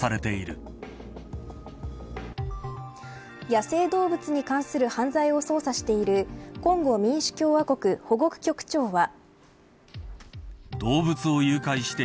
野生動物に関する犯罪を捜査しているコンゴ民主共和国保護区局長は。